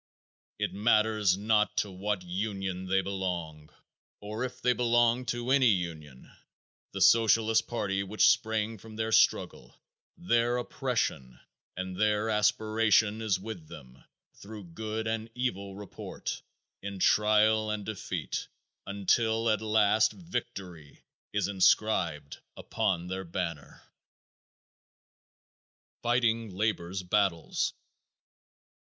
It matters not to what union they belong, or if they belong to any union, the Socialist party which sprang from their struggle, their oppression, and their aspiration, is with them through good and evil report, in trial and defeat, until at last victory is inscribed upon their banner. _Fighting Labor's Battles.